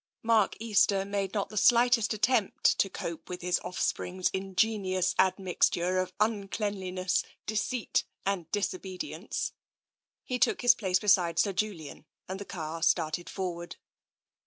Mark Easter made no slightest attempt to cope with his offsprings' ingenious admixture of uncleanliness, deceit and disobedience. He took his place beside Sir Julian and the car started forward.